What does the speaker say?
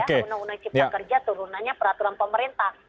undang undang cipta kerja turunannya peraturan pemerintah